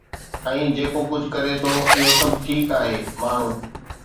۽ جيڪو ڪجهه ڪري ٿو اهو سڀ ٺيڪ آهي، ماڻهو